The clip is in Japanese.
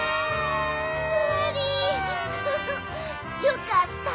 よかった！